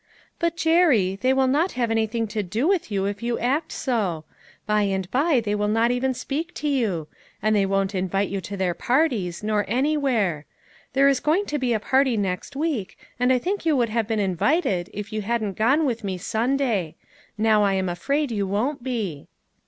"But, Jerry, they will not have anything to do with you if you act so. By and by they will not even speak to you. And they won't invite you to their parties, nor anywhere. There is going to be a party next week, and I think you would have been invited if you hadn't gone with me Sunday; now I am afraid you won't be."